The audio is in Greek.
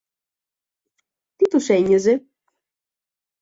Τι τους ένοιαζε;